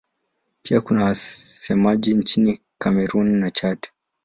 Pia kuna wasemaji nchini Kamerun na Chad.